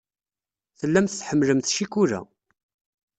Tellamt tḥemmlemt ccikula.